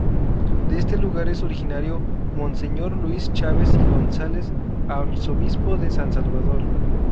De este lugar es originario monseñor Luis Chávez y González, arzobispo de San Salvador.